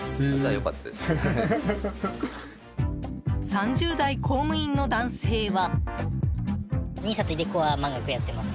３０代公務員の男性は。